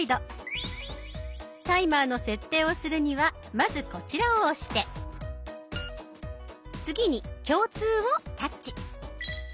タイマーの設定をするにはまずこちらを押して次に「共通」をタッチ。